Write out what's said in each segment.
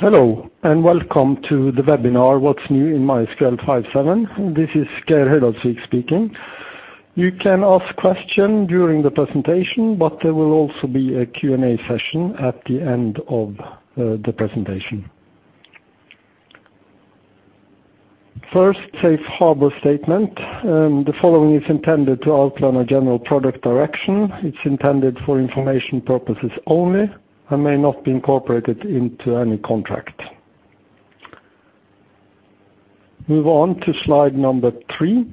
Hello, welcome to the webinar, What's New in MySQL 5.7. This is Geir Høydalsvik speaking. You can ask questions during the presentation, but there will also be a Q&A session at the end of the presentation. First, safe harbor statement. The following is intended to outline our general product direction. It's intended for information purposes only and may not be incorporated into any contract. Move on to slide number three.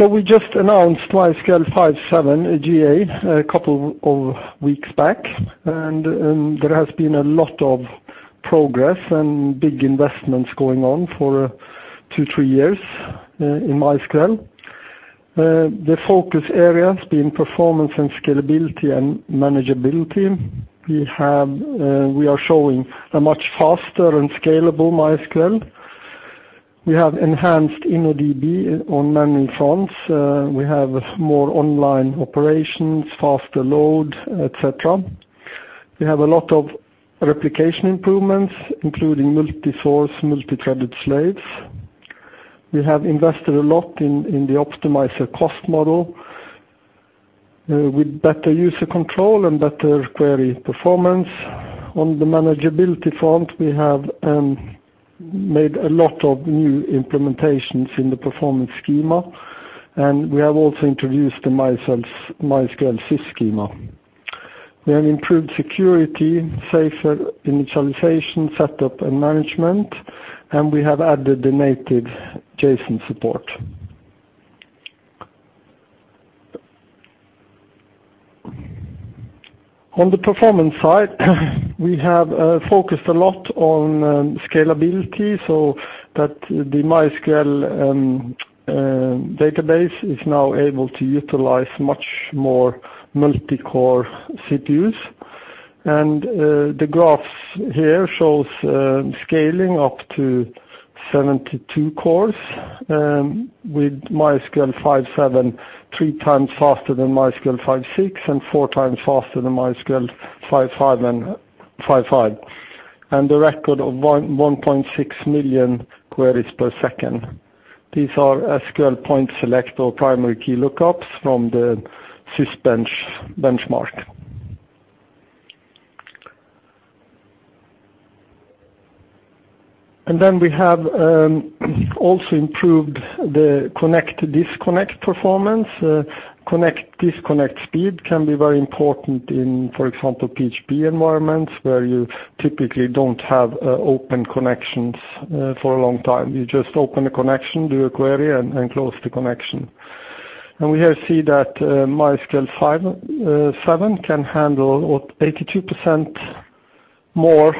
We just announced MySQL 5.7 GA a couple of weeks back, and there has been a lot of progress and big investments going on for two, three years in MySQL. The focus areas being performance and scalability and manageability. We are showing a much faster and scalable MySQL. We have enhanced InnoDB on many fronts. We have more online operations, faster load, et cetera. We have a lot of replication improvements, including multi-source, multi-threaded slaves. We have invested a lot in the optimizer cost model with better user control and better query performance. On the manageability front, we have made a lot of new implementations in the Performance Schema, and we have also introduced the MySQL sys schema. We have improved security, safer initialization, setup, and management, and we have added the native JSON support. On the performance side, we have focused a lot on scalability so that the MySQL database is now able to utilize much more multi-core CPUs. The graphs here shows scaling up to 72 cores, with MySQL 5.7 three times faster than MySQL 5.6 and four times faster than MySQL 5.5, and the record of 1.6 million queries per second. These are SQL point select or primary key lookups from the Sysbench benchmark. We have also improved the connect-disconnect performance. Connect-disconnect speed can be very important in, for example, PHP environments, where you typically don't have open connections for a long time. You just open a connection, do a query, and close the connection. We here see that MySQL 5.7 can handle about 82% more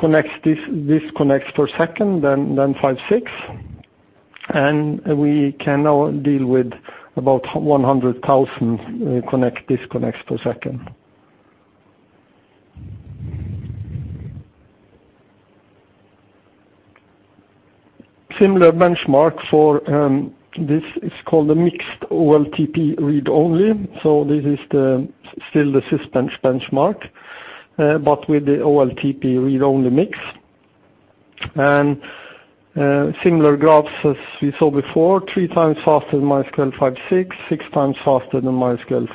connects, disconnects per second than 5.6. We can now deal with about 100,000 connect disconnects per second. Similar benchmark for this is called the Mixed OLTP Read Only. This is still the Sysbench benchmark, but with the OLTP read-only mix. Similar graphs as we saw before, three times faster than MySQL 5.6, six times faster than MySQL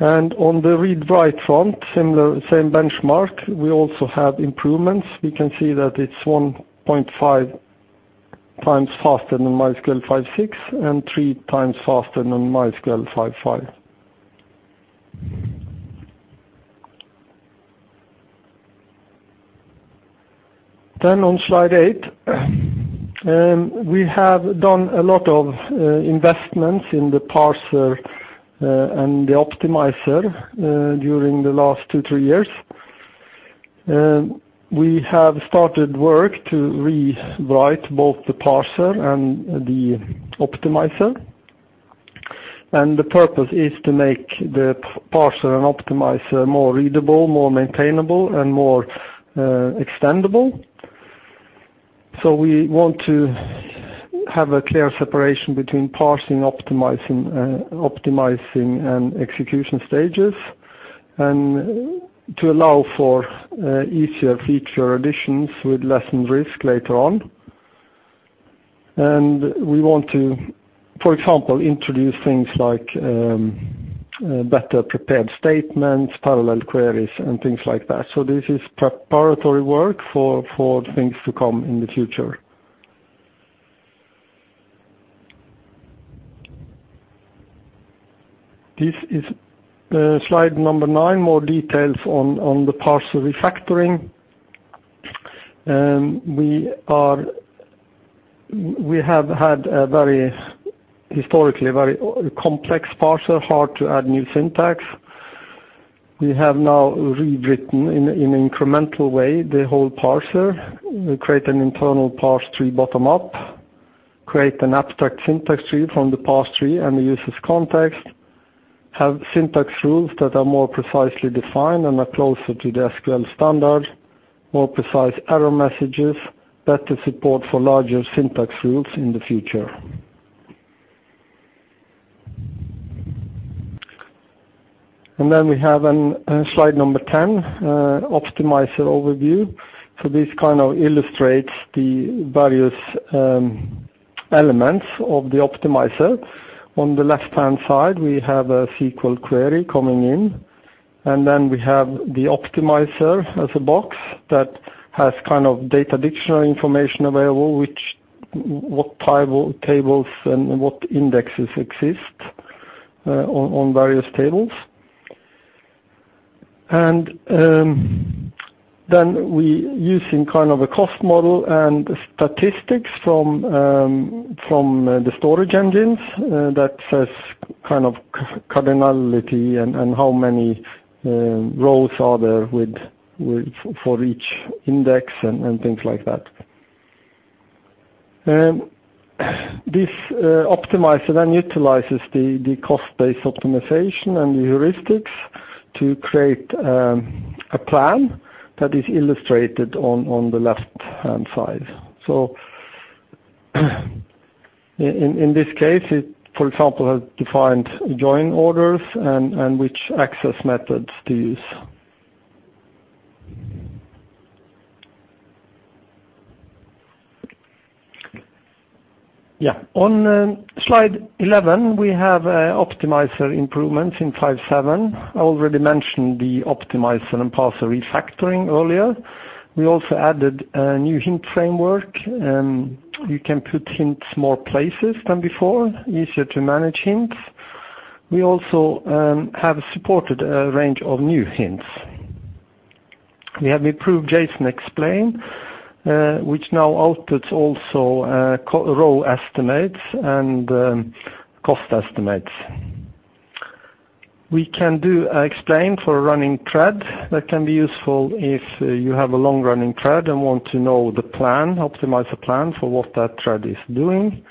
5.5. On the read-write front, same benchmark, we also have improvements. We can see that it's 1.5 times faster than MySQL 5.6 and three times faster than MySQL 5.5. On slide eight, we have done a lot of investments in the parser and the optimizer during the last two, three years. We have started work to rewrite both the parser and the optimizer, and the purpose is to make the parser and optimizer more readable, more maintainable, and more extendable. We want to have a clear separation between parsing, optimizing, and execution stages, and to allow for easier feature additions with lessened risk later on. We want to, for example, introduce things like better prepared statements, parallel queries, and things like that. This is preparatory work for things to come in the future. This is slide number nine, more details on the parser refactoring. We have had historically, a very complex parser, hard to add new syntax. We have now rewritten in an incremental way the whole parser. We create an internal parse tree bottom up, create an abstract syntax tree from the parse tree and the usage context. Have syntax rules that are more precisely defined and are closer to the SQL standard, more precise error messages, better support for larger syntax rules in the future. We have slide 10, optimizer overview. This kind of illustrates the various elements of the optimizer. On the left-hand side, we have a SQL query coming in, and then we have the optimizer as a box that has kind of data dictionary information available, what tables and what indexes exist on various tables. And then we use a cost model and statistics from the storage engines that says cardinality and how many rows are there for each index and things like that. This optimizer then utilizes the cost-based optimization and the heuristics to create a plan that is illustrated on the left-hand side. In this case, it, for example, has defined join orders and which access methods to use. On slide 11, we have optimizer improvements in 5.7. I already mentioned the optimizer and parser refactoring earlier. We also added a new hint framework. You can put hints more places than before, easier to manage hints. We also have supported a range of new hints. We have improved JSON EXPLAIN, which now outputs also row estimates and cost estimates. We can do EXPLAIN for a running thread. That can be useful if you have a long-running thread and want to know the optimizer plan for what that thread is doing.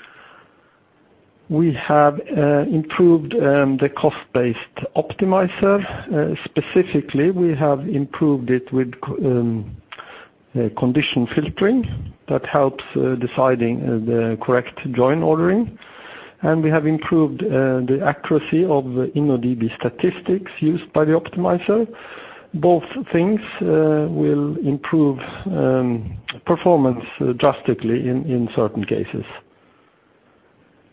We have improved the cost-based optimizer. Specifically, we have improved it with condition filtering that helps deciding the correct join ordering, and we have improved the accuracy of InnoDB statistics used by the optimizer. Both things will improve performance drastically in certain cases.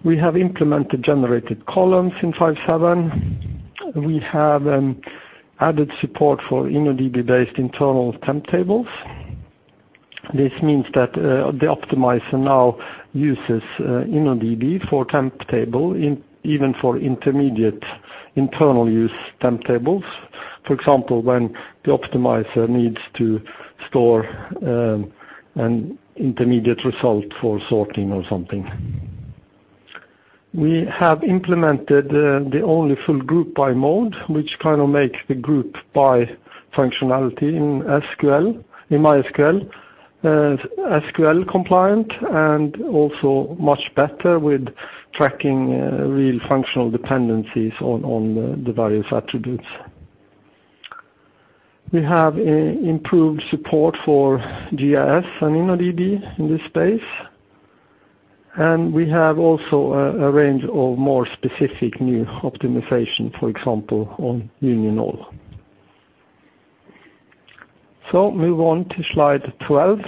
We have implemented generated columns in 5.7. We have added support for InnoDB-based internal temp tables. This means that the optimizer now uses InnoDB for temp table, even for intermediate internal use temp tables. For example, when the optimizer needs to store an intermediate result for sorting or something. We have implemented the only full GROUP BY mode, which kind of makes the GROUP BY functionality in MySQL SQL compliant, and also much better with tracking real functional dependencies on the various attributes. We have improved support for GIS and InnoDB in this space, and we have also a range of more specific new optimization, for example, on UNION ALL. Move on to slide 12.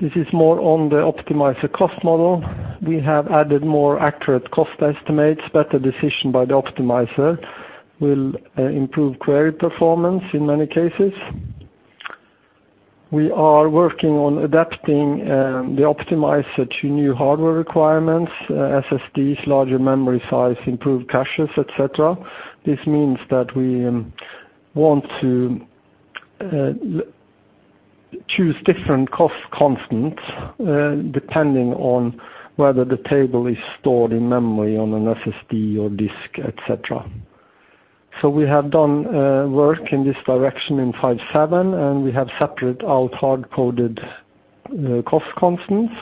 This is more on the optimizer cost model. We have added more accurate cost estimates. Better decision by the optimizer will improve query performance in many cases. We are working on adapting the optimizer to new hardware requirements, SSDs, larger memory size, improved caches, et cetera. This means that we want to choose different cost constants depending on whether the table is stored in memory on an SSD or disk, et cetera. We have done work in this direction in 5.7, and we have separated out hard-coded cost constants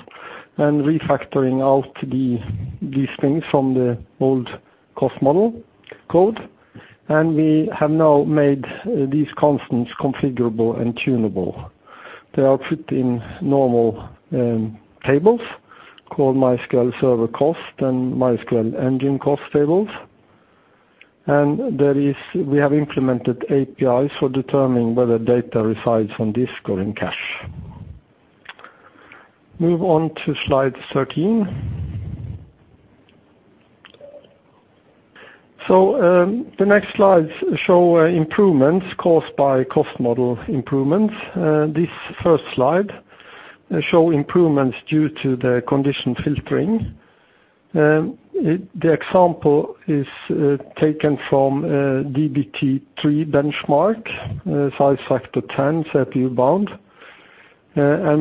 and refactoring out these things from the old cost model code, and we have now made these constants configurable and tunable. They are fit in normal tables called MySQL server cost and MySQL engine cost tables, and we have implemented APIs for determining whether data resides on disk or in cache. Move on to slide 13. The next slides show improvements caused by cost model improvements. This first slide shows improvements due to the condition filtering. The example is taken from DBT3 benchmark, size factor 10, CPU bound.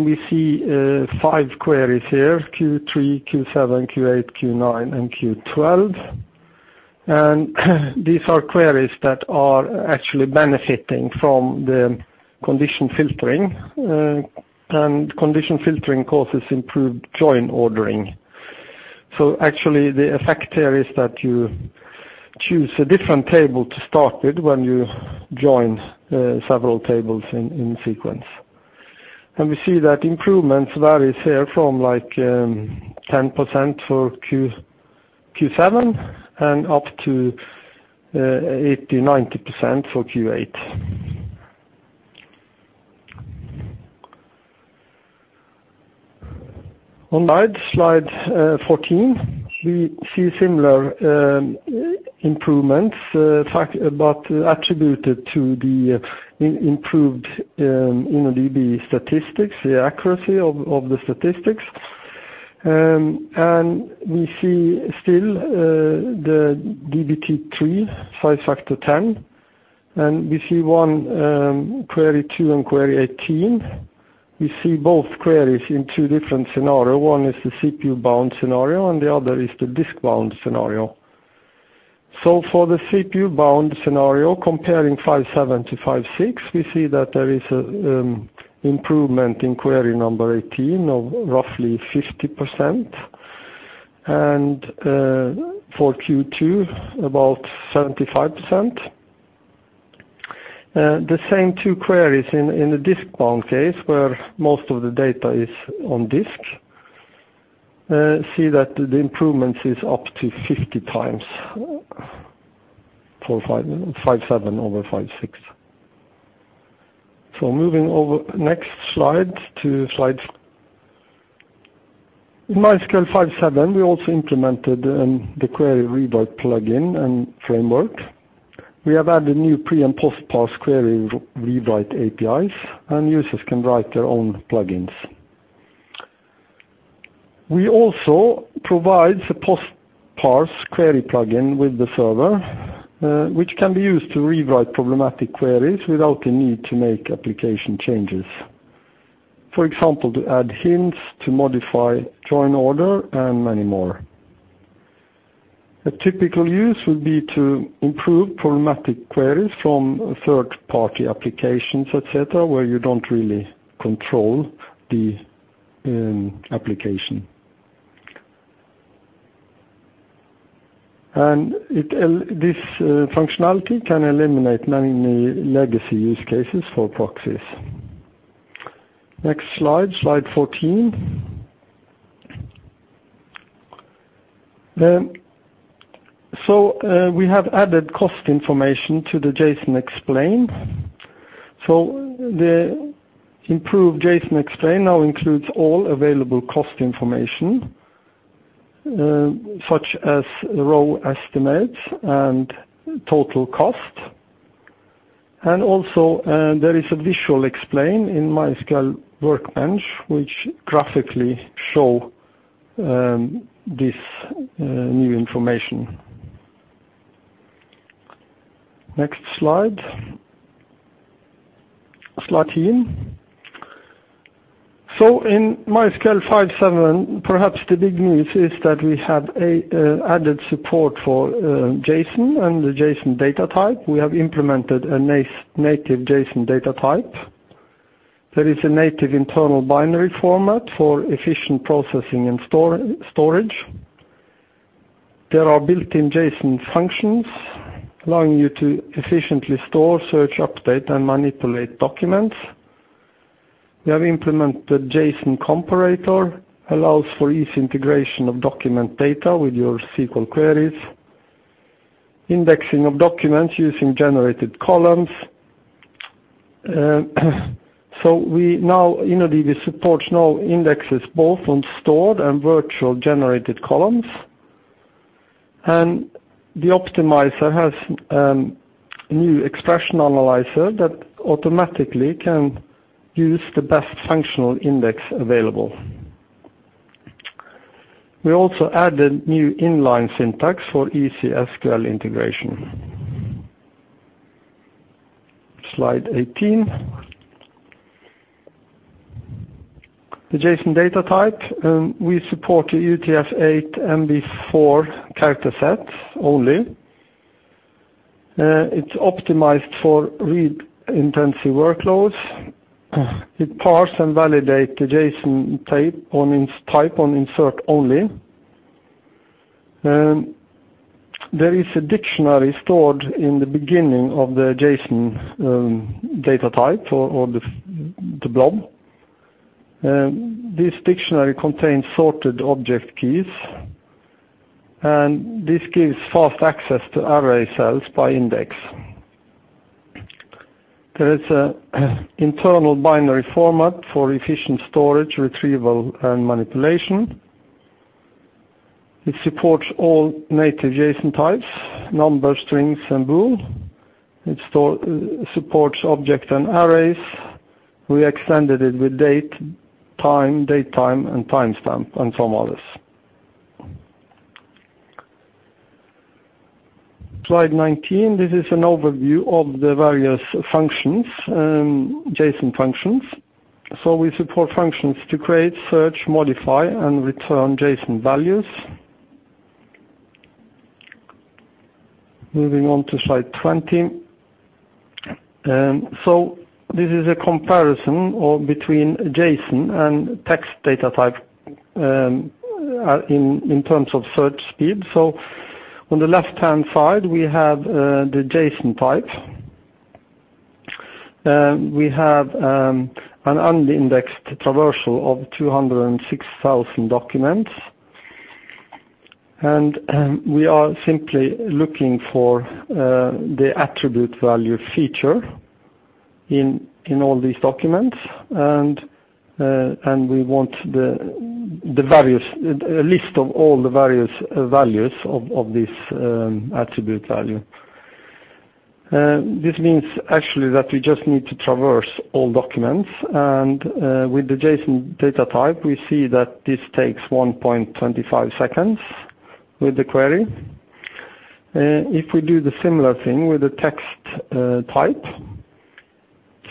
We see five queries here, Q3, Q7, Q8, Q9, and Q12. These are queries that are actually benefiting from the condition filtering. Condition filtering causes improved join ordering. Actually, the effect here is that you choose a different table to start with when you join several tables in sequence. We see that improvements varies here from like 10% for Q7 and up to 80, 90% for Q8. On slide 14, we see similar improvements, but attributed to the improved InnoDB statistics, the accuracy of the statistics. We see still, the DBT3, size factor 10, and we see one, query two and query 18. We see both queries in two different scenario. One is the CPU-bound scenario, and the other is the disk-bound scenario. For the CPU-bound scenario, comparing MySQL 5.7 to MySQL 5.6, we see that there is improvement in query number 18 of roughly 50%, and, for Q2, about 75%. The same two queries in the disk-bound case, where most of the data is on disk, see that the improvements is up to 50 times, for MySQL 5.7 over MySQL 5.6. In MySQL 5.7, we also implemented the query rewrite plugin and framework. We have added new pre- and post-parse query rewrite APIs, and users can write their own plugins. We also provide a post-parse query plugin with the server, which can be used to rewrite problematic queries without the need to make application changes. For example, to add hints, to modify join order, and many more. A typical use would be to improve problematic queries from third-party applications, et cetera, where you don't really control the application. This functionality can eliminate many legacy use cases for proxies. Next slide 14. We have added cost information to the JSON Explain. The improved JSON Explain now includes all available cost information, such as row estimates and total cost. Also, there is a visual explain in MySQL Workbench, which graphically show this new information. Next slide. Slide 18. In MySQL 5.7, perhaps the big news is that we have added support for JSON and the JSON data type. We have implemented a native JSON data type. There is a native internal binary format for efficient processing and storage. There are built-in JSON functions allowing you to efficiently store, search, update, and manipulate documents. We have implemented JSON comparator, allows for easy integration of document data with your SQL queries, indexing of documents using generated columns. InnoDB supports now indexes both on stored and virtual generated columns. The optimizer has a new expression analyzer that automatically can use the best functional index available. We also added new inline syntax for easy SQL integration. Slide 18. The JSON data type, we support UTF-8 and MB4 character sets only. It's optimized for read-intensive workloads. It parse and validate the JSON type on insert only. There is a dictionary stored in the beginning of the JSON data type or the blob. This dictionary contains sorted object keys. This gives fast access to array cells by index. There is an internal binary format for efficient storage, retrieval, and manipulation. It supports all native JSON types, numbers, strings, and bool. It supports object and arrays. We extended it with date, time, datetime, and timestamp, and some others. Slide 19, this is an overview of the various JSON functions. We support functions to create, search, modify, and return JSON values. Moving on to slide 20. This is a comparison between JSON and text data type in terms of search speed. On the left-hand side, we have the JSON type. We have an unindexed traversal of 206,000 documents. We are simply looking for the attribute value feature in all these documents. We want a list of all the various values of this attribute value. This means actually that we just need to traverse all documents, and with the JSON data type, we see that this takes 1.25 seconds with the query. We do the similar thing with the text type,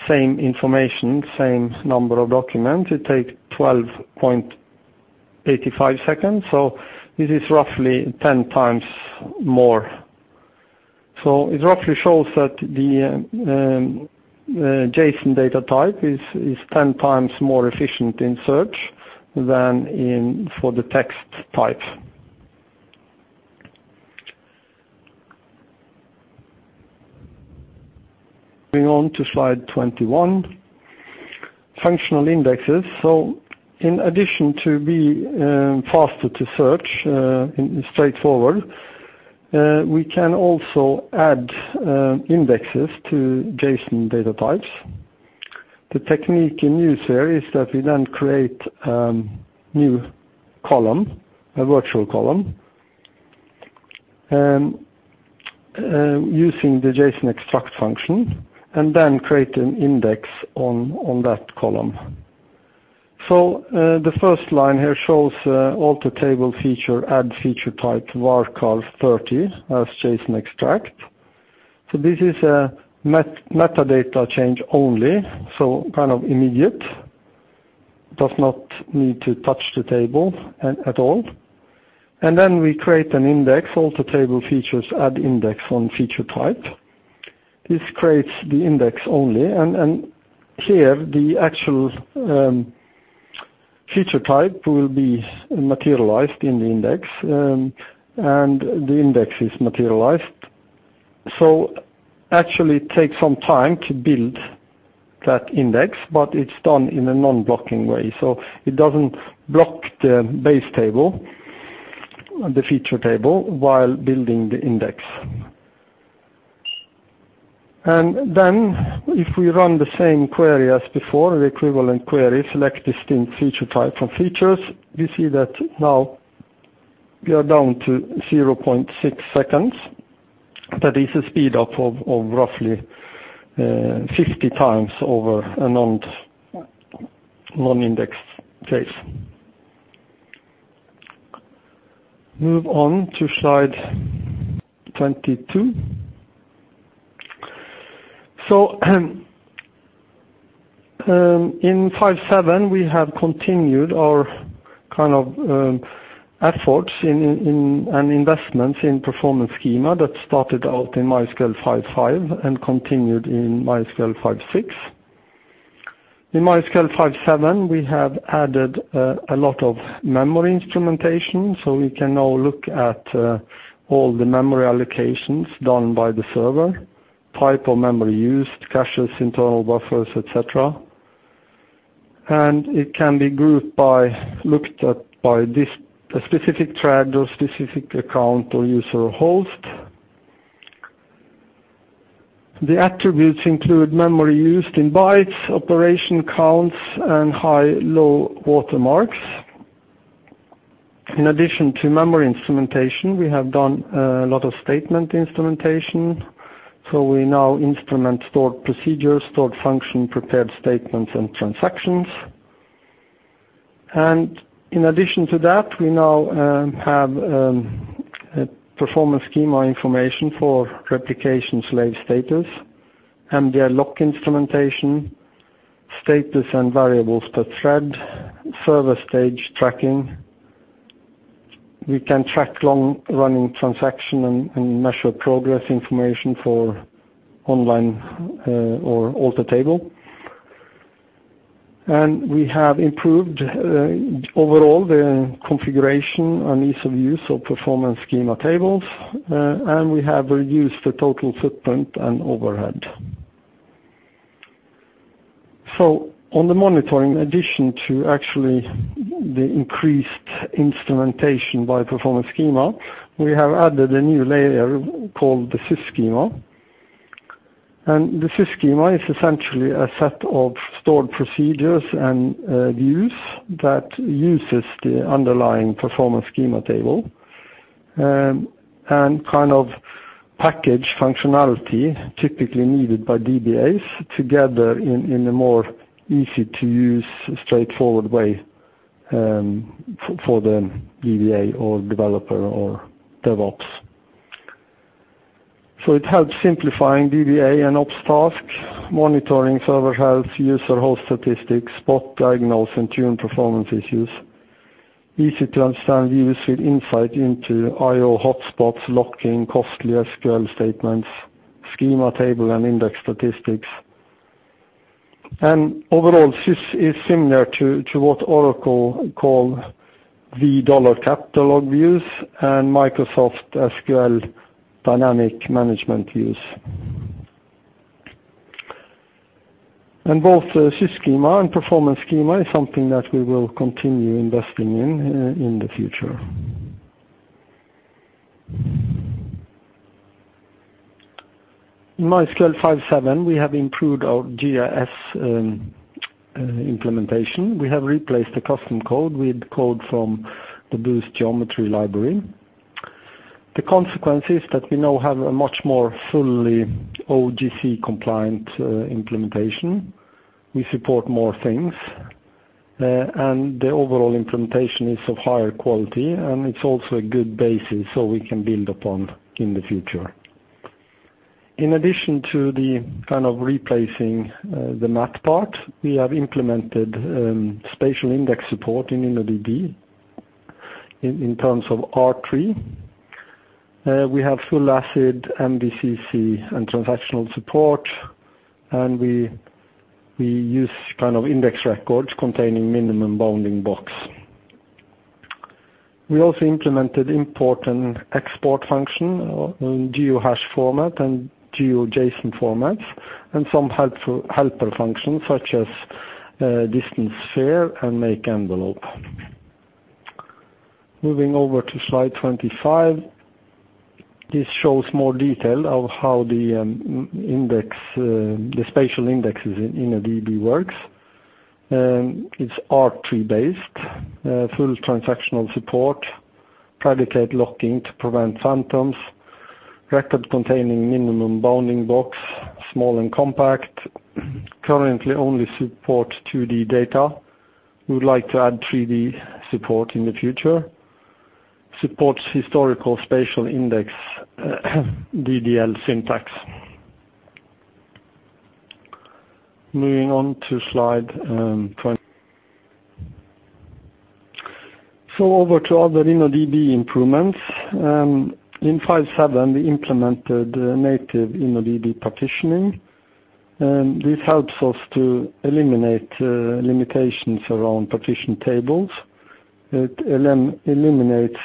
same information, same number of documents, it takes 12.85 seconds. This is roughly 10 times more. It roughly shows that the JSON data type is 10 times more efficient in search than for the text type. Moving on to slide 21, functional indexes. In addition to being faster to search, straightforward, we can also add indexes to JSON data types. The technique in use here is that we then create new column, a virtual column, using the JSON_EXTRACT function, and then create an index on that column. The first line here shows alter table feature, add feature type VARCHAR (30) as JSON_EXTRACT. This is a metadata change only. Kind of immediate, does not need to touch the table at all. We create an index, alter table features, add index on feature type. This creates the index only, and here the actual feature type will be materialized in the index, and the index is materialized. Actually it takes some time to build that index, but it's done in a non-blocking way, so it doesn't block the base table, the feature table, while building the index. If we run the same query as before, the equivalent query, select distinct feature type from features, we see that now we are down to 0.6 seconds. That is a speed up of roughly 50 times over a non-indexed case. Move on to slide 22. In 5.7, we have continued our kind of efforts and investments in Performance Schema that started out in MySQL 5.5 and continued in MySQL 5.6. MySQL 5.7, we have added a lot of memory instrumentation, so we can now look at all the memory allocations done by the server, type of memory used, caches, internal buffers, et cetera. It can be GROUP BY, looked at by a specific thread or specific account or user host. The attributes include memory used in bytes, operation counts, and high/low watermarks. In addition to memory instrumentation, we have done a lot of statement instrumentation, so we now instrument stored procedures, stored function, prepared statements, and transactions. In addition to that, we now have Performance Schema information for replication slave status and their lock instrumentation, status and variables per thread, server stage tracking. We can track long-running transaction and measure progress information for online or alter table. We have improved overall the configuration and ease of use of Performance Schema tables. We have reduced the total footprint and overhead. On the monitoring, in addition to actually the increased instrumentation by Performance Schema, we have added a new layer called the Sys schema. The Sys schema is essentially a set of stored procedures and views that uses the underlying Performance Schema table, and kind of package functionality typically needed by DBAs together in a more easy-to-use, straightforward way for the DBA or developer or DevOps. It helps simplifying DBA and ops tasks, monitoring server health, user host statistics, spot diagnose and tune performance issues. Easy to understand views with insight into IO hotspots, locking, costly SQL statements, schema table and index statistics. Overall, Sys is similar to what Oracle call v$ catalog views and Microsoft SQL Dynamic Management Views. Both Sys schema and Performance Schema is something that we will continue investing in the future. In MySQL 5.7, we have improved our GIS implementation. We have replaced the custom code with code from the Boost.Geometry Library. The consequence is that we now have a much more fully OGC compliant implementation. We support more things, and the overall implementation is of higher quality, and it's also a good basis, so we can build upon in the future. In addition to the replacing the math part, we have implemented spatial index support in InnoDB, in terms of R-Tree. We have full ACID, MVCC, and transactional support, and we use index records containing minimum bounding box. We also implemented import and export function, GeoHash format and GeoJSON formats, and some helpful helper functions such as distance_sphere and make_envelope. Moving over to slide 25, this shows more detail of how the spatial indexes in InnoDB works. It's R-Tree-based, full transactional support, predicate locking to prevent phantoms, records containing minimum bounding box, small and compact, currently only support 2D data. We would like to add 3D support in the future. Supports historical spatial index DDL syntax. Moving on to slide 26. Over to other InnoDB improvements. In 5.7, we implemented native InnoDB partitioning. This helps us to eliminate limitations around partition tables. It eliminates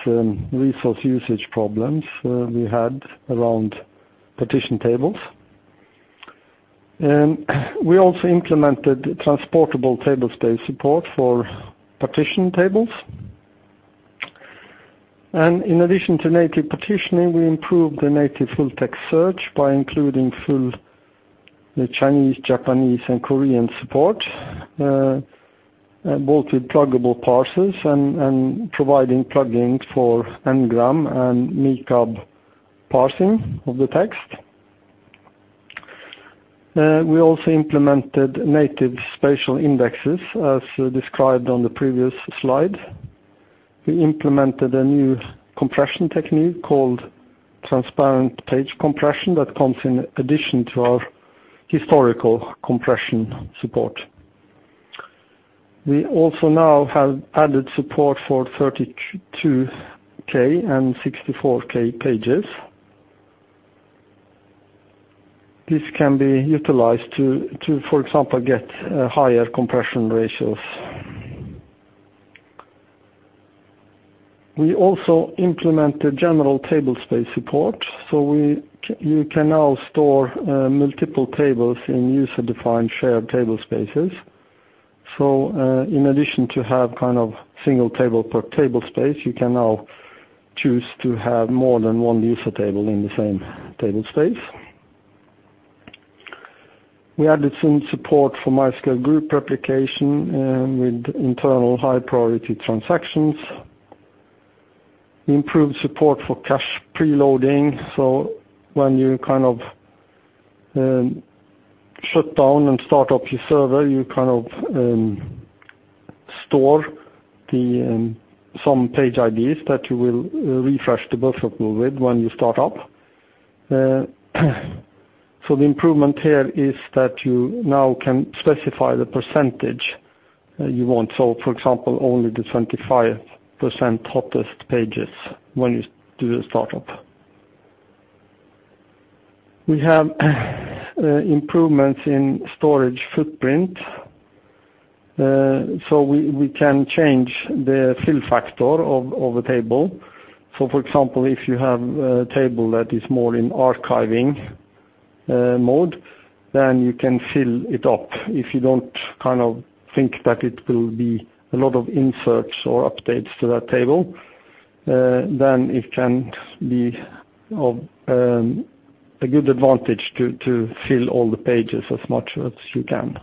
resource usage problems we had around partition tables. We also implemented transportable tablespace support for partition tables. In addition to native partitioning, we improved the native full-text search by including full Chinese, Japanese, and Korean support, both with pluggable parsers and providing plugins for n-gram and MeCab parsing of the text. We also implemented native spatial indexes as described on the previous slide. We implemented a new compression technique called Transparent Page Compression that comes in addition to our historical compression support. We also now have added support for 32K and 64K pages. This can be utilized to, for example, get higher compression ratios. We also implement the general tablespace support, so you can now store multiple tables in user-defined shared tablespaces. In addition to have single table per tablespace, you can now choose to have more than one user table in the same tablespace. We added some support for MySQL Group Replication with internal high-priority transactions. Improved support for cache preloading, so when you shut down and start up your server, you store some page IDs that you will refresh the buffer pool with when you start up. The improvement here is that you now can specify the percentage you want. For example, only the 25% hottest pages when you do the start-up. We have improvements in storage footprint, so we can change the fill factor of a table. For example, if you have a table that is more in archiving mode, then you can fill it up. If you don't think that it will be a lot of inserts or updates to that table, then it can be of a good advantage to fill all the pages as much as you can.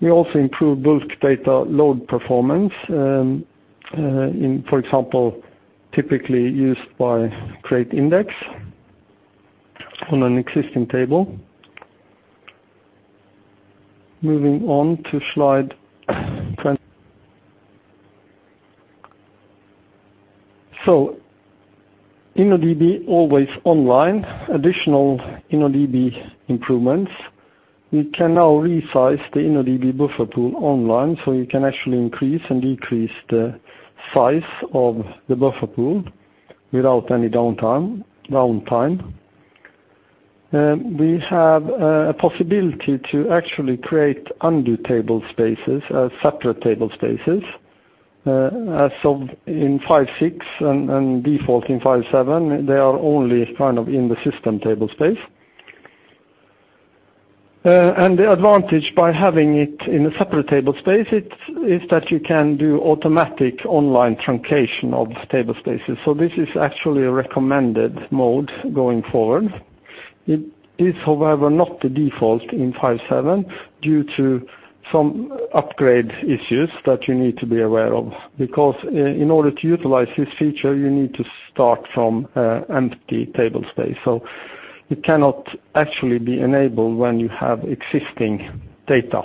We also improved bulk data load performance, for example, typically used by create index on an existing table. Moving on to slide 20. InnoDB always online, additional InnoDB improvements. We can now resize the InnoDB buffer pool online, so you can actually increase and decrease the size of the buffer pool without any downtime. We have a possibility to actually create undo tablespaces as separate tablespaces, as of in MySQL 5.6 and default in MySQL 5.7, they are only kind of in the system tablespace. The advantage by having it in a separate tablespace is that you can do automatic online truncation of tablespaces. This is actually a recommended mode going forward. It is, however, not the default in MySQL 5.7 due to some upgrade issues that you need to be aware of, because in order to utilize this feature, you need to start from an empty tablespace. It cannot actually be enabled when you have existing data.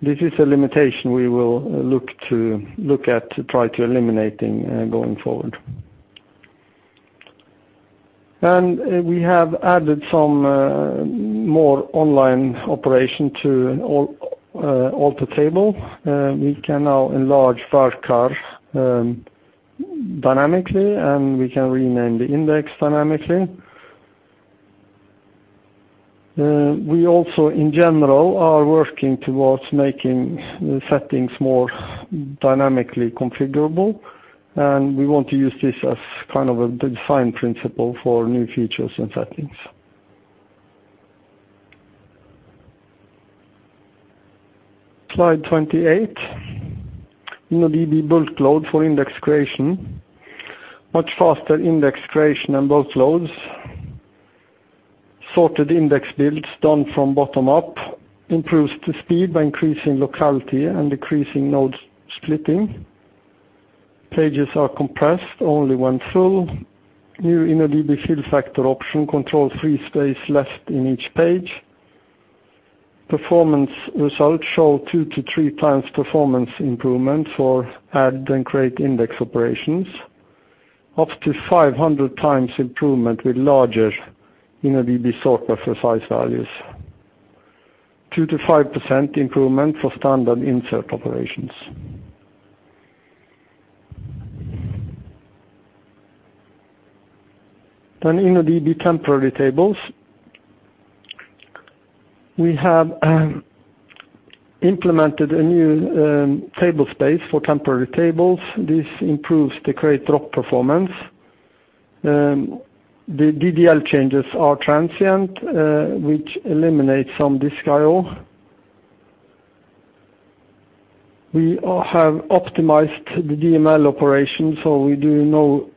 This is a limitation we will look at to try to eliminating going forward. We have added some more online operation to alter table. We can now enlarge VARCHAR dynamically, we can rename the index dynamically. We also, in general, are working towards making settings more dynamically configurable, we want to use this as kind of the design principle for new features and settings. Slide 28. InnoDB bulk load for index creation, much faster index creation and bulk loads. Sorted index builds done from bottom up, improves the speed by increasing locality and decreasing node splitting. Pages are compressed only when full. New InnoDB fill factor option control free space left in each page. Performance results show two to three times performance improvement for add and create index operations. Up to 500 times improvement with larger InnoDB sort buffer size values. 2%-5% improvement for standard insert operations. InnoDB temporary tables. We have implemented a new tablespace for temporary tables. This improves the create/drop performance. The DDL changes are transient, which eliminates some disk I/O. We have optimized the DML operation, we do no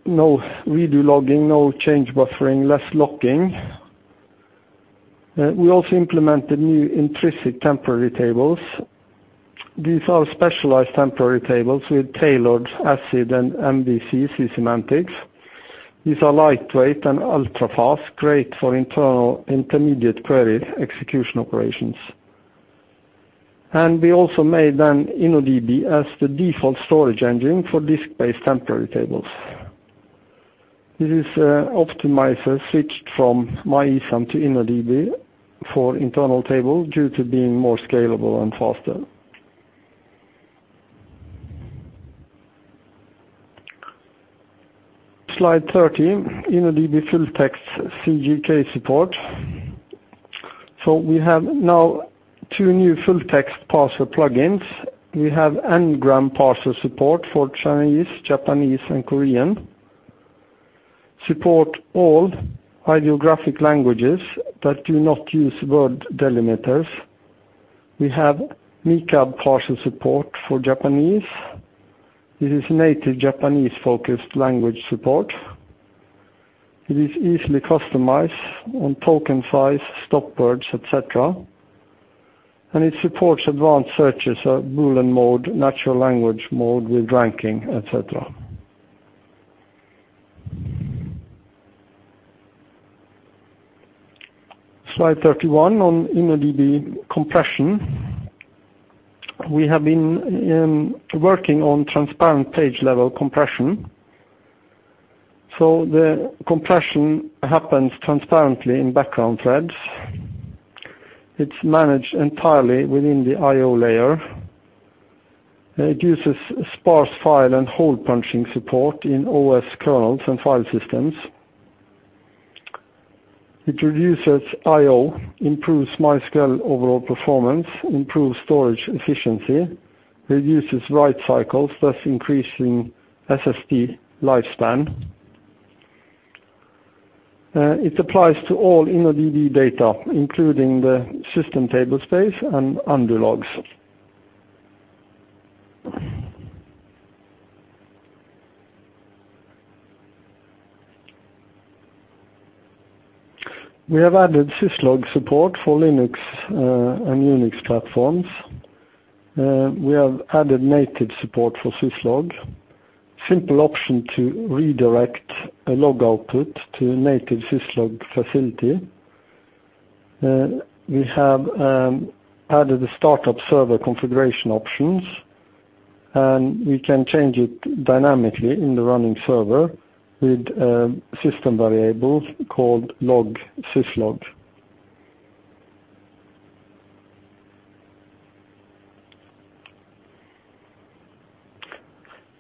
redo logging, no change buffering, less locking. We also implemented new intrinsic temporary tables. These are specialized temporary tables with tailored ACID and MVCC semantics. These are lightweight and ultra-fast, great for internal intermediate query execution operations. We also made an InnoDB as the default storage engine for disk-based temporary tables. This is optimizer switched from MyISAM to InnoDB for internal table due to being more scalable and faster. Slide 30, InnoDB full text CJK support. We have now two new full text parser plugins. We have n-gram parser support for Chinese, Japanese, and Korean. Support all ideographic languages that do not use word delimiters. We have MeCab parser support for Japanese. This is native Japanese-focused language support. It is easily customized on token size, stop words, et cetera, it supports advanced searches or Boolean mode, natural language mode with ranking, et cetera. Slide 31 on InnoDB compression. We have been working on Transparent Page Compression. The compression happens transparently in background threads. It's managed entirely within the I/O layer. It uses sparse file and hole punching support in OS kernels and file systems. It reduces I/O, improves MySQL overall performance, improves storage efficiency, reduces write cycles, thus increasing SSD lifespan. It applies to all InnoDB data, including the system tablespace and undo logs. We have added Syslog support for Linux and Unix platforms. We have added native support for Syslog. Simple option to redirect a log output to native Syslog facility. We have added a startup server configuration options, we can change it dynamically in the running server with system variables called log Syslog.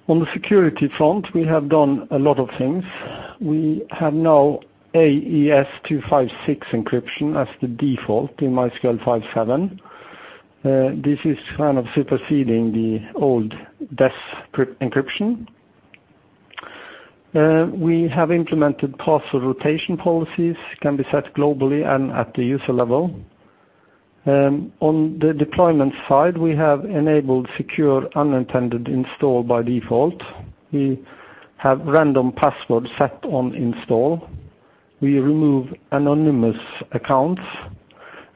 On the security front, we have done a lot of things. We have now AES-256 encryption as the default in MySQL 5.7. This is superseding the old DES encryption. We have implemented password rotation policies, can be set globally and at the user level. On the deployment side, we have enabled secure unintended install by default. We have random password set on install. We remove anonymous accounts,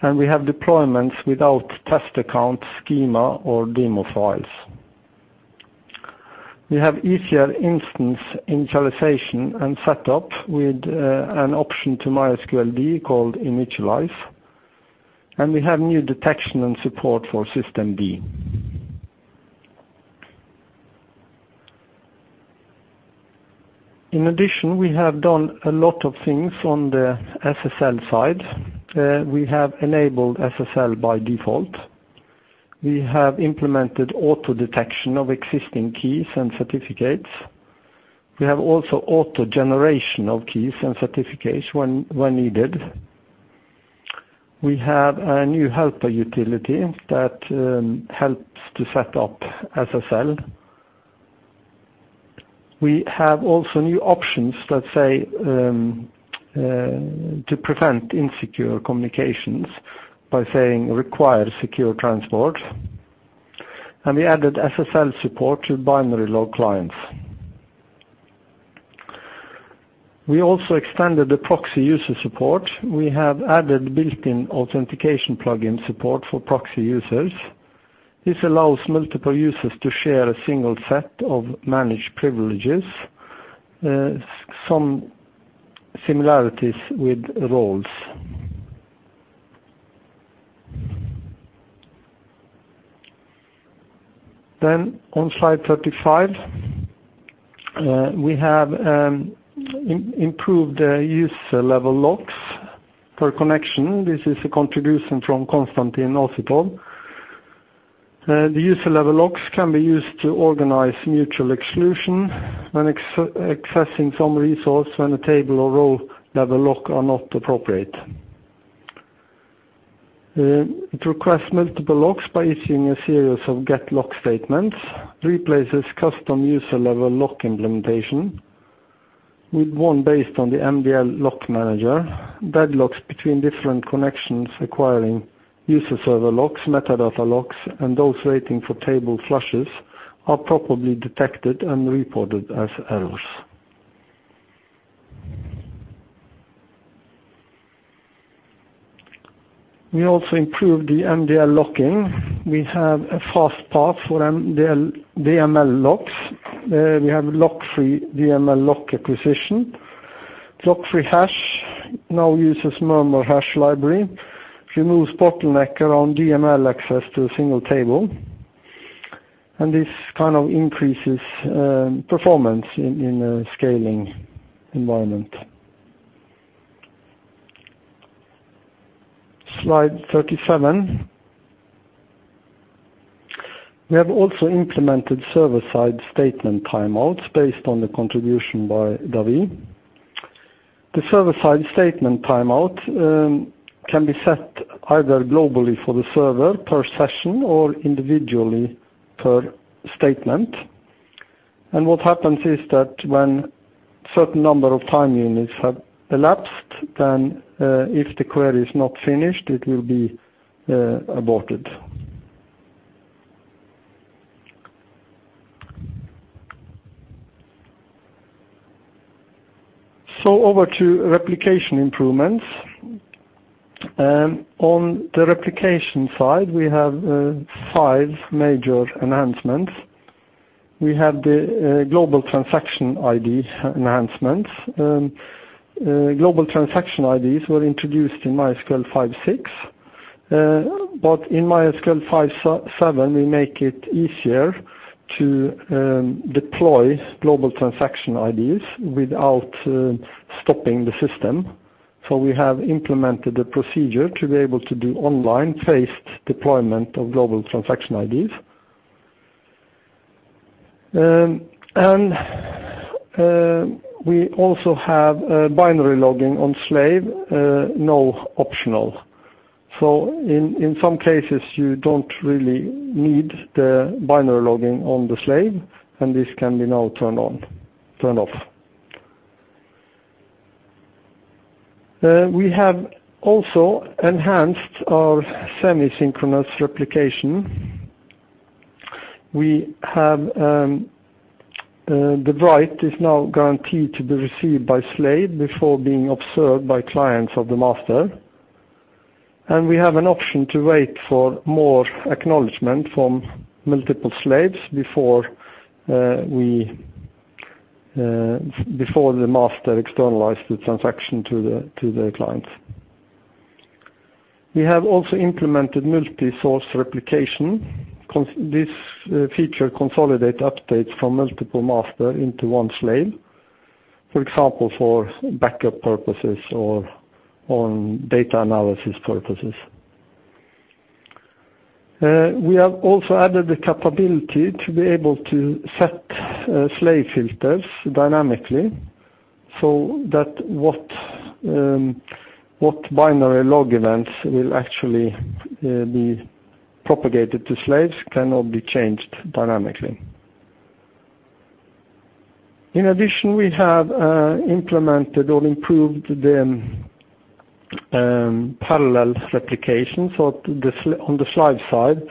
we have deployments without test account schema or demo files. We have easier instance initialization and setup with an option to MySQL be called initialize, we have new detection and support for systemd. In addition, we have done a lot of things on the SSL side. We have enabled SSL by default. We have implemented auto-detection of existing keys and certificates. We have also auto-generation of keys and certificates when needed. We have a new helper utility that helps to set up SSL. We have also new options to prevent insecure communications by saying require secure transport, we added SSL support to binary log clients. We also extended the proxy user support. We have added built-in authentication plugin support for proxy users. This allows multiple users to share a single set of managed privileges. Some similarities with roles. On slide 35, we have improved user level locks per connection. This is a contribution from Konstantin Osipov. The user level locks can be used to organize mutual exclusion when accessing some resource when a table or row level lock are not appropriate. It requests multiple locks by issuing a series of get lock statements, replaces custom user level lock implementation with one based on the MDL lock manager. Deadlocks between different connections requiring user server locks, metadata locks, and those waiting for table flushes are properly detected and reported as errors. We also improved the MDL locking. We have a fast path for DML locks. We have lock-free DML lock acquisition. Lock-free hash now uses MurmurHash library. Removes bottleneck around DML access to a single table. This increases performance in a scaling environment. Slide 37. We have also implemented server-side statement timeouts based on the contribution by Davi. The server-side statement timeout can be set either globally for the server per session or individually per statement. What happens is that when certain number of time units have elapsed, if the query is not finished, it will be aborted. Over to replication improvements. On the replication side, we have five major enhancements. We have the global transaction ID enhancements. Global transaction IDs were introduced in MySQL 5.6. In MySQL 5.7, we make it easier to deploy global transaction IDs without stopping the system. We have implemented a procedure to be able to do online phased deployment of global transaction IDs. We also have binary logging on slave, now optional. In some cases, you don't really need the binary logging on the slave, and this can be now turn off. We have also enhanced our semi-synchronous replication. The write is now guaranteed to be received by slave before being observed by clients of the master. We have an option to wait for more acknowledgement from multiple slaves before the master externalize the transaction to the clients. We have also implemented multi-source replication. This feature consolidate updates from multiple master into one slave, for example, for backup purposes or on data analysis purposes. We have also added the capability to be able to set slave filters dynamically, so that what binary log events will actually be propagated to slaves can now be changed dynamically. In addition, we have implemented or improved the parallel replication. On the slave side,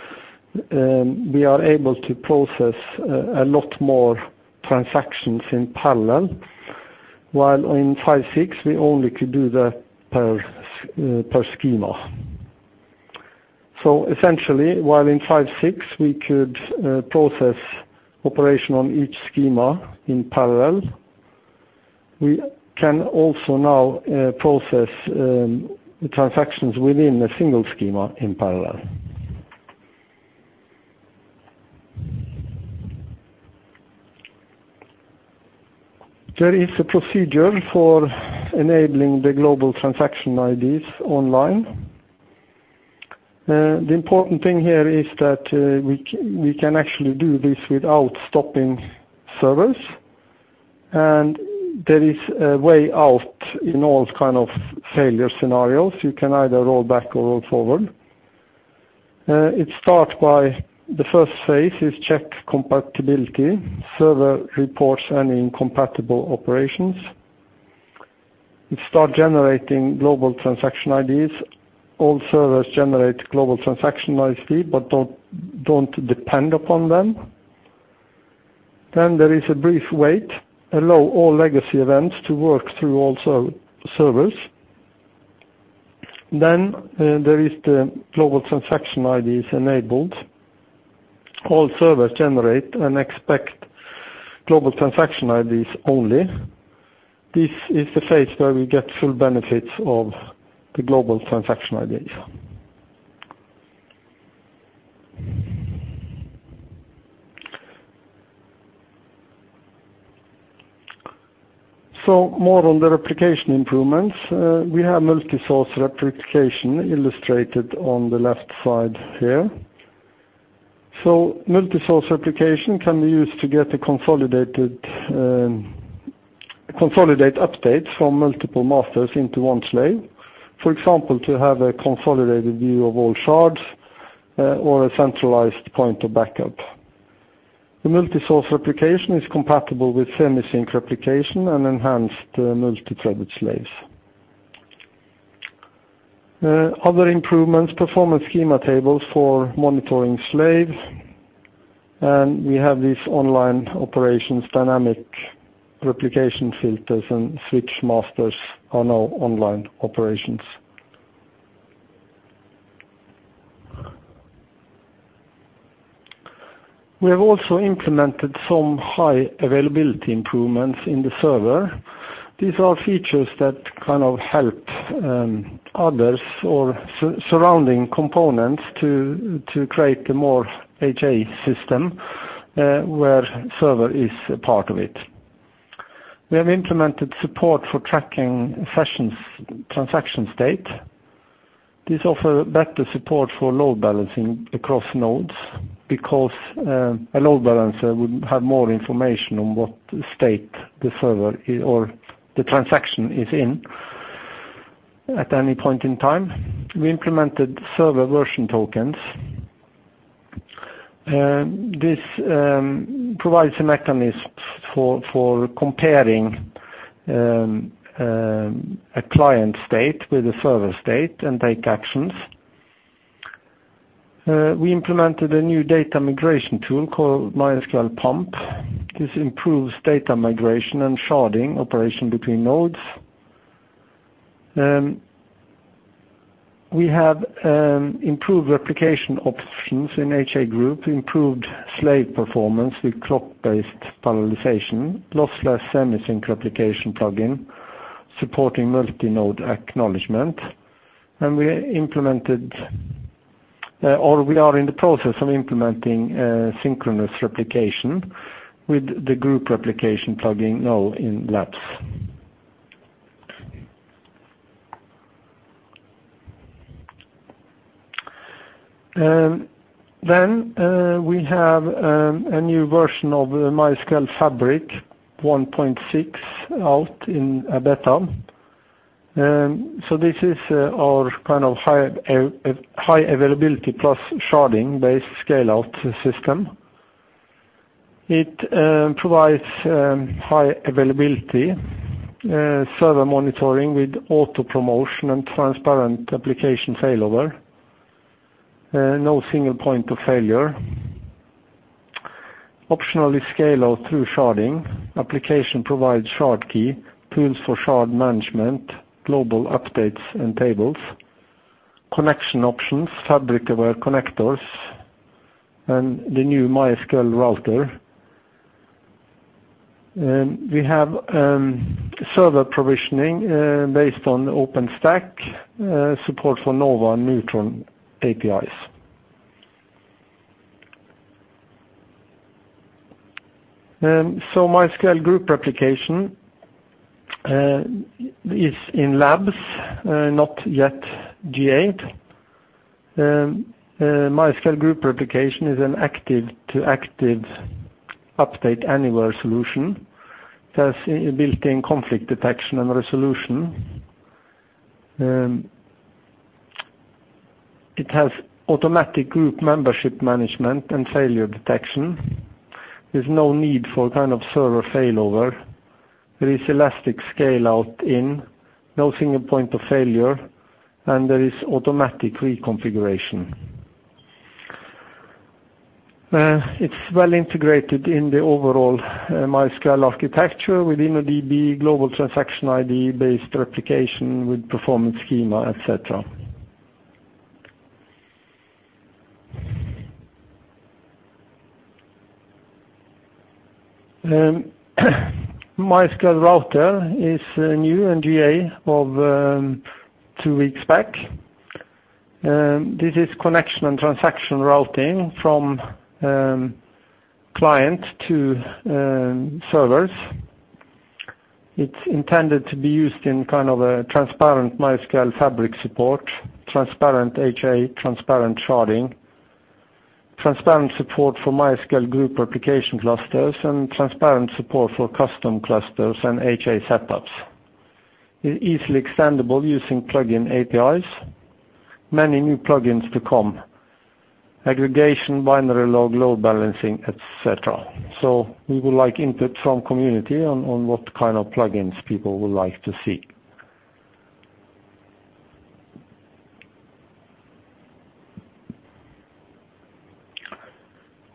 we are able to process a lot more transactions in parallel, while in 5.6, we only could do that per schema. Essentially, while in 5.6, we could process operation on each schema in parallel, we can also now process transactions within a single schema in parallel. There is a procedure for enabling the global transaction IDs online. The important thing here is that we can actually do this without stopping servers. There is a way out in all kind of failure scenarios. You can either roll back or roll forward. The first phase is check compatibility, server reports any incompatible operations. It start generating global transaction IDs. All servers generate global transaction ID, but don't depend upon them. There is a brief wait, allow all legacy events to work through all servers. There is the global transaction IDs enabled. All servers generate and expect global transaction IDs only. This is the phase where we get full benefits of the global transaction IDs. More on the replication improvements. We have multi-source replication illustrated on the left side here. Multi-source replication can be used to consolidate updates from multiple masters into one slave. For example, to have a consolidated view of all shards or a centralized point of backup. The multi-source replication is compatible with semi-sync replication and enhanced multi-threaded slaves. Other improvements, Performance Schema tables for monitoring slaves. We have these online operations, dynamic replication filters, and switch masters are now online operations. We have also implemented some high availability improvements in the server. These are features that kind of help others or surrounding components to create a more HA system, where server is a part of it. We have implemented support for tracking transaction state. This offer better support for load balancing across nodes because a load balancer would have more information on what state the server or the transaction is in at any point in time. We implemented server version tokens. This provides a mechanism for comparing a client state with a server state and take actions. We implemented a new data migration tool called mysqlpump. This improves data migration and sharding operation between nodes. We have improved replication options in HA group, improved slave performance with clock-based parallelization, lossless semi-sync replication plugin, supporting multi-node acknowledgment. We implemented or we are in the process of implementing synchronous replication with the MySQL Group Replication plugin now in labs. We have a new version of MySQL Fabric 1.6 out in beta. This is our kind of high availability plus sharding-based scale-out system. It provides high availability, server monitoring with auto promotion and transparent application failover. No single point of failure. Optionally scale-out through sharding. Application provides shard key, tools for shard management, global updates and tables. Connection options, Fabric-aware connectors, and the new MySQL Router. We have server provisioning based on OpenStack, support for Nova and Neutron APIs. MySQL Group Replication is in labs, not yet GA. MySQL Group Replication is an active to active update anywhere solution. It has built-in conflict detection and resolution. It has automatic group membership management and failure detection. There's no need for server failover. There is elastic scale out/in, no single point of failure, and there is automatic reconfiguration. It's well integrated in the overall MySQL architecture with InnoDB global transaction ID based replication with Performance Schema, et cetera. MySQL Router is new in GA of two weeks back. This is connection and transaction routing from client to servers. It's intended to be used in kind of a transparent MySQL Fabric support, transparent HA, transparent sharding, transparent support for MySQL Group Replication clusters, and transparent support for custom clusters and HA setups. It's easily extendable using plugin APIs. Many new plugins to come. Aggregation, binary log, load balancing, et cetera. We would like input from community on what kind of plugins people would like to see.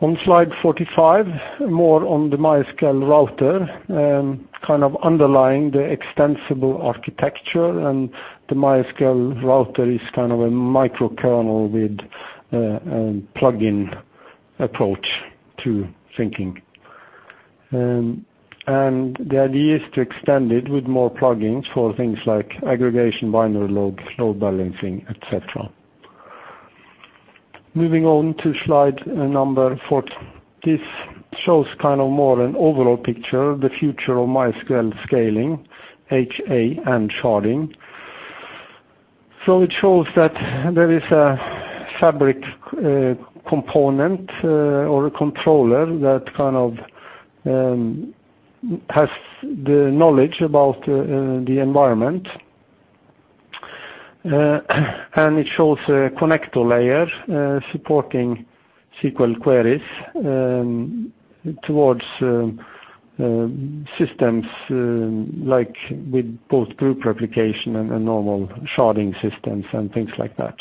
On slide 45, more on the MySQL Router, kind of underlying the extensible architecture and the MySQL Router is kind of a microkernel with plugin approach to thinking. The idea is to extend it with more plugins for things like aggregation, binary log, load balancing, et cetera. Moving on to slide number. This shows more an overall picture of the future of MySQL scaling, HA, and sharding. It shows that there is a Fabric component or a controller that has the knowledge about the environment. It shows a connector layer, supporting SQL queries, towards systems, like with both Group Replication and normal sharding systems and things like that.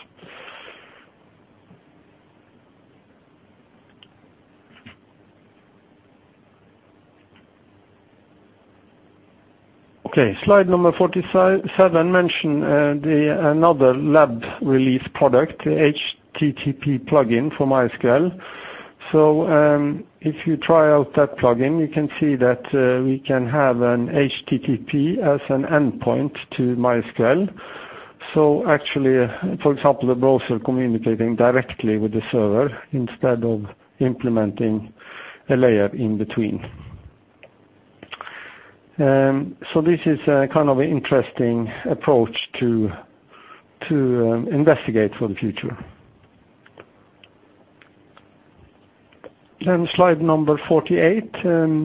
Slide number 47 mentions another lab release product, HTTP plugin for MySQL. If you try out that plugin, you can see that we can have an HTTP as an endpoint to MySQL. Actually, for example, the browser communicating directly with the server instead of implementing a layer in between. This is a kind of interesting approach to investigate for the future. Slide number 48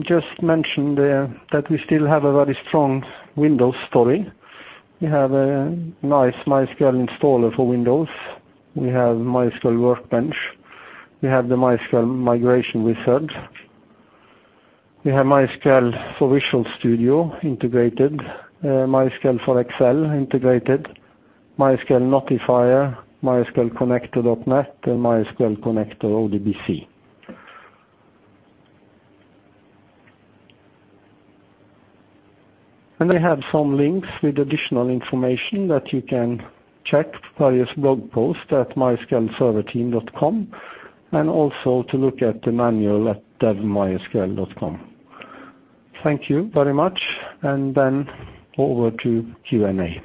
just mentions there that we still have a very strong Windows story. We have a nice MySQL installer for Windows. We have MySQL Workbench. We have the MySQL Workbench Migration Wizard. We have MySQL for Visual Studio integrated, MySQL for Excel integrated, MySQL Notifier, MySQL Connector/NET, and MySQL Connector/ODBC. I have some links with additional information that you can check various blog posts at mysqlserverteam.com, and also to look at the manual at dev.mysql.com. Thank you very much, over to Q&A.